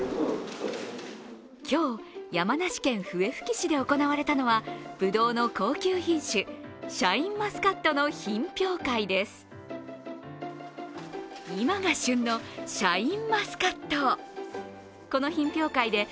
今日、山梨県笛吹市で行われたのはぶどうの高級品種、シャインマスカットの品評会です。